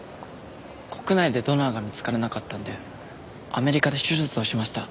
国内でドナーが見つからなかったんでアメリカで手術をしました。